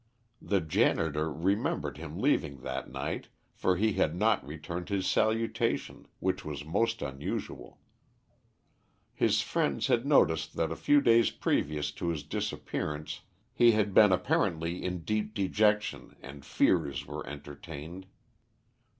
The janitor remembered him leaving that night, for he had not returned his salutation, which was most unusual. His friends had noticed that for a few days previous to his disappearance he had been apparently in deep dejection, and fears were entertained.